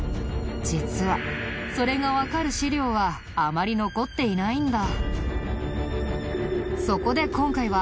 実はそれがわかる史料はあまり残っていないんだ。